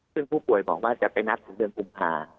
ซึ่งผู้ป่วยบอกว่าจะไปนับถึงเดือนกุมภา